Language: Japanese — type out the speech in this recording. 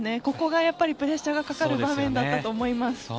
ここがやっぱりプレッシャーがかかる場面だったと思います。